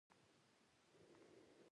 روغتیا مهمه ده